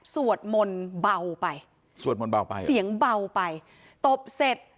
สวดมนต์เบาไปสวดมนต์เบาไปเสียงเบาไปตบเสร็จ